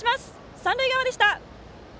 三塁側でした。